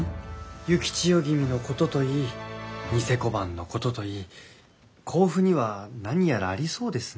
幸千代君のことといい贋小判のことといい甲府には何やらありそうですね。